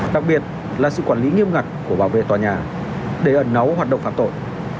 đặc biệt là sự quản lý nghiêm ngặt của bảo vệ tòa nhà để ẩn nấu hoạt động phạm tội